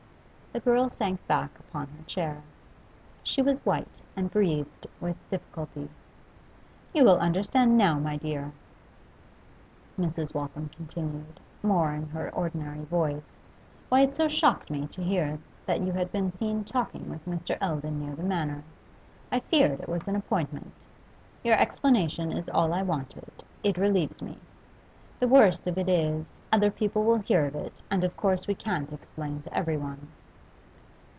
The girl sank back upon her chair. She was white and breathed with difficulty. 'You will understand now, my dear,' Mrs. Waltham continued, more in her ordinary voice, 'why it so shocked me to hear that you had been seen talking with Mr. Eldon near the Manor. I feared it was an appointment. Your explanation is all I wanted: it relieves me. The worst of it is, other people will hear of it, and of course we can't explain to everyone.